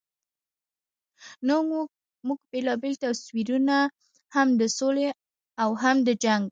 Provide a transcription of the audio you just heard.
نو موږ بېلابېل تصویرونه لرو، هم د سولې او هم د جنګ.